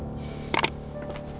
terima kasih pak